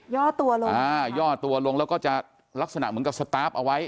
่อตัวลงอ่าย่อตัวลงแล้วก็จะลักษณะเหมือนกับสตาร์ฟเอาไว้